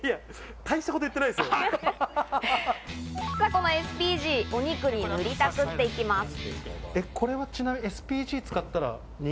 このＳＰＧ、お肉に塗りたくっていきます。